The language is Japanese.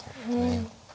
うん。